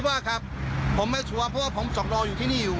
ว่าครับผมไม่ชัวร์เพราะว่าผมรออยู่ที่นี่อยู่